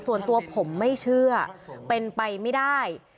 ส่วนตัวผมไม่เชื่อเป็นไปไม่ได้